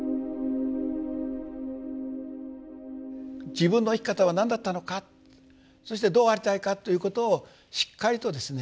自分の生き方は何だったのかそしてどうありたいかということをしっかりとですね